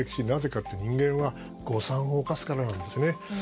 なぜかというと人間は誤算を冒すからなんですね。